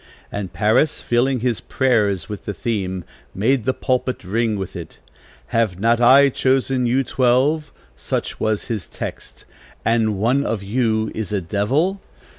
And Parris, filling his prayers with the theme, made the pulpit ring with it. 'Have not I chosen you twelve,' such was his text, 'and one of you is a devil?'